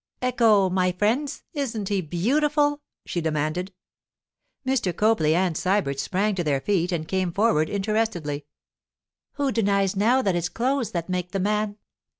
'Ecco! my friends. Isn't he beautiful?' she demanded. Mr. Copley and Sybert sprang to their feet and came forward interestedly. 'Who denies now that it's clothes that make the man?